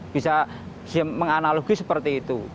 bisa menganalogi seperti itu